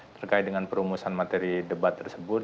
terkait dengan perumusan materi debat tersebut